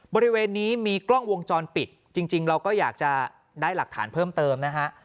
บริเวณนี้มีกล้องวงจรปิดจริงเราก็อยากจะได้หลักฐานเพิ่มเติมนะฮะ